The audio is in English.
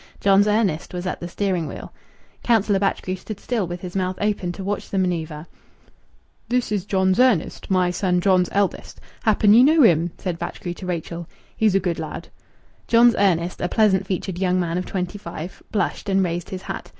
John's Ernest was at the steering wheel. Councillor Batchgrew stood still with his mouth open to watch the manoeuvre. "This is John's Ernest my son John's eldest. Happen ye know him?" said Batchgrew to Rachel. "He's a good lad." John's Ernest, a pleasant featured young man of twenty five, blushed and raised his hat.